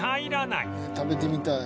「食べてみたい」